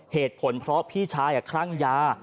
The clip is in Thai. เหตุผลเพราะพี่ชายคลั่งยา